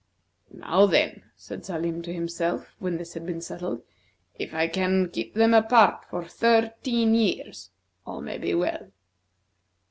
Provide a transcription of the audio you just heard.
"Now, then," said Salim to himself when this had been settled; "if I can keep them apart for thirteen years, all may be well."